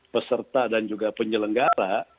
peserta dan juga penyelenggara